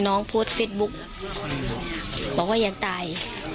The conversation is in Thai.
น้องโพสต์เฟสบุ๊กบอกว่ายังตาย